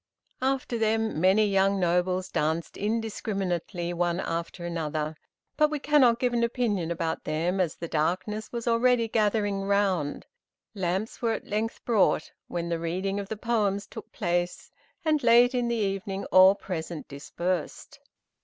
After them, many young nobles danced indiscriminately, one after another, but we cannot give an opinion about them as the darkness was already gathering round. Lamps were at length brought, when the reading of the poems took place, and late in the evening all present dispersed.